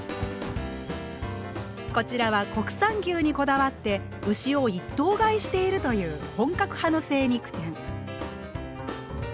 こちらは国産牛にこだわって牛を一頭買いしているという本格派の精肉店。